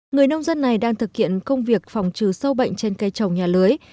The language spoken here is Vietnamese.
người nông dân này đang thực hiện công việc phòng trừ sâu bệnh trên cây trồng nhà lưới